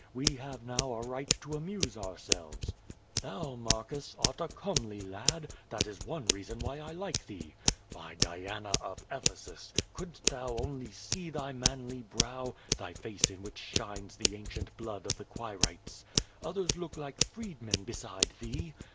We have now a right to amuse ourselves. Thou, Marcus, art a comely lad, that is one reason why I like thee. By Diana of Ephesus, couldst thou only see thy manly brow, thy face in which shines the ancient blood of the Quirites! Others look like freedmen beside thee.